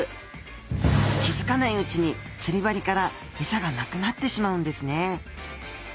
気付かないうちに釣り針からエサがなくなってしまうんですね。